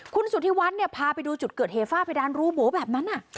คุณสุธิวัดเนี่ยพาไปดูจุดเกิดเหฟ่าเพดานรูโบ๋แบบนั้นอ่ะ